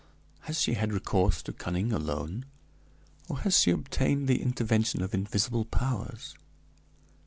Has she had recourse to cunning alone, or has she obtained the intervention of invisible powers?"